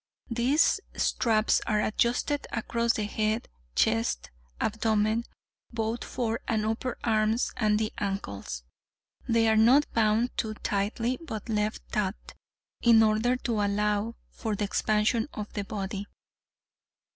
These straps are adjusted across the head, chest, abdomen, both fore and upper arms and the ankles. They are not bound too tightly, but left taut in order to allow for the expansion of the body.